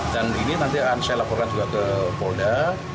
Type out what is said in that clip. dan ini nanti akan saya laporkan juga ke polda